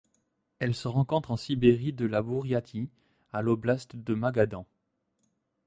Elle se rencontre en Sibérie de la Bouriatie à l'oblast de Magadan.